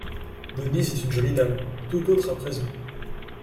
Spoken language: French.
Denise est une jolie dame, tout autre à présent.